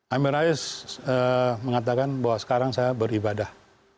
amin rais mengatakan bahwa sekarang saya beribadah